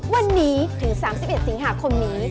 วันนี้ถึง๓๑สิงหาคมนี้